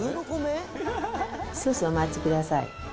少々お待ちください。